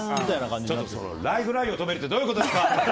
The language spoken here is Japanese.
ライフラインを止めるってどういうことですか？